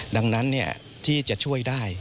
ดังนั้นเนี่ยที่จะช่วยได้